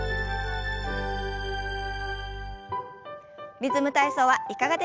リズム体操はいかがでしたか？